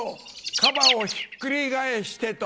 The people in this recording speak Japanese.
カバをひっくり返してと。